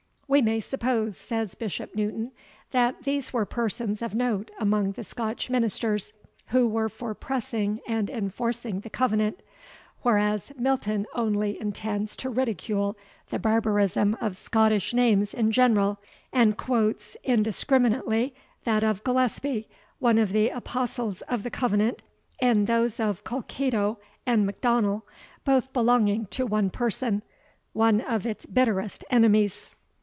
"We may suppose," says Bishop Newton, "that these were persons of note among the Scotch ministers, who were for pressing and enforcing the Covenant;" whereas Milton only intends to ridicule the barbarism of Scottish names in general, and quotes, indiscriminately, that of Gillespie, one of the Apostles of the Covenant, and those of Colkitto and M'Donnell (both belonging to one person), one of its bitterest enemies.